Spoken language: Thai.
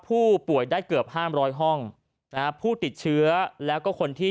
ผู้ป่วยได้เกือบ๕๐๐ห้องผู้ติดเชื้อแล้วก็คนที่